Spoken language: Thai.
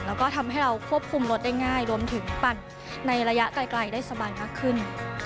แล้วก็ทำให้เราควบคุมรถได้ง่ายรวมถึงปั่นในระยะไกลได้สบายมากขึ้น